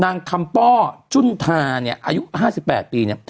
นางทำป้อจุนธานี่อายุ๕๘ปีนี่